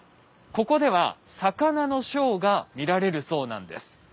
ここでは魚のショーが見られるそうなんです。